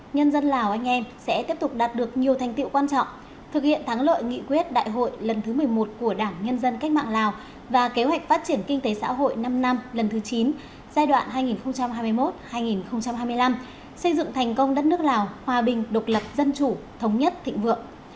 nhân dân lào anh em sẽ tiếp tục đạt được nhiều thành tiệu quan trọng thực hiện thắng lợi nghị quyết đại hội lần thứ một mươi một của đảng nhân dân cách mạng lào và kế hoạch phát triển kinh tế xã hội năm năm lần thứ chín giai đoạn hai nghìn hai mươi một hai nghìn hai mươi năm xây dựng thành công đất nước lào hòa bình độc lập dân chủ thống nhất thịnh vượng